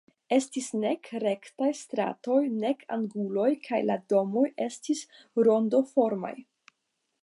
Estis nek rektaj stratoj nek anguloj kaj la domoj estis rondoformaj.